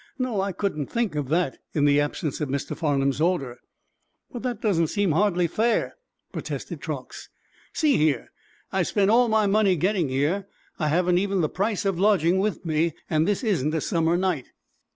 "No; I couldn't think of that, in the absence of Mr. Farnum's order." "But that doesn't seem hardly fair," protested Truax. "See here, I have spent all my money getting here. I haven't even the price of a lodging with me, and this isn't a summer night."